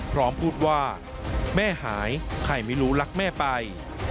พร้อมพูดว่าแม่หายใครไม่รู้รักแม่ไป